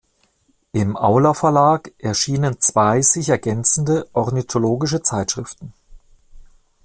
Im Aula-Verlag erscheinen zwei sich ergänzende ornithologische Zeitschriften.